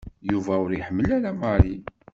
Yuba ur iḥemmel ara Mary.